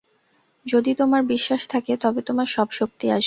যদি তোমার বিশ্বাস থাকে, তবে তোমার সব শক্তি আসবে।